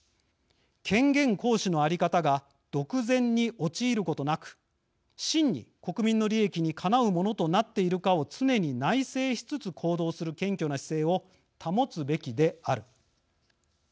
権限行使の在り方が独善に陥ることなく真に国民の利益にかなうものとなっているかを常に内省しつつ行動する謙虚な姿勢を保つべきである。